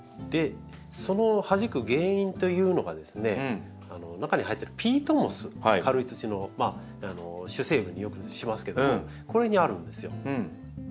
そのはじく原因というのがですね中に入ってるピートモス軽い土の主成分によくしますけどもこれにあるんですよ。